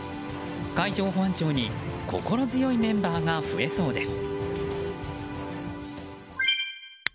海上保安庁に心強いメンバーが増えそうです。